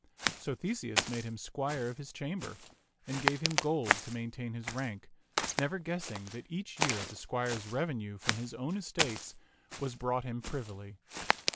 So Theseus made him squire of his cham ber, and gave him gold to maintain his rank, never guessing that each year the squire's revenue from his own estates was brought him privily.